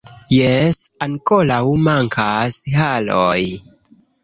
Jes, ankoraŭ mankas haroj